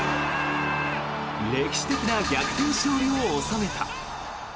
歴史的な逆転勝利を収めた。